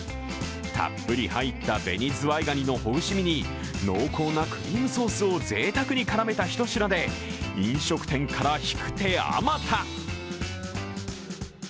たっぷり入った紅ズワイガニのほぐし身に濃厚なクリームソースをぜいたくに絡めた一品で飲食店から引く手あまた。